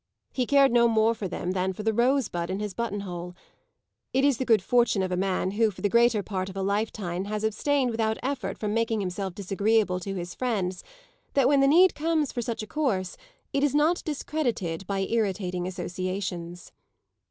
He cared no more for them than for the rosebud in his buttonhole. It is the good fortune of a man who for the greater part of a lifetime has abstained without effort from making himself disagreeable to his friends, that when the need comes for such a course it is not discredited by irritating associations.